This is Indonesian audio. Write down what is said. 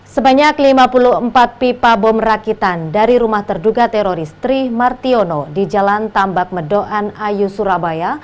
sebanyak lima puluh empat pipa bom rakitan dari rumah terduga teroris tri martiono di jalan tambak medoan ayu surabaya